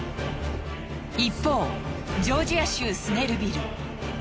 一方ジョージア州スネルビル。